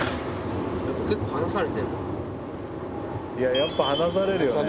やっぱ離されるよね。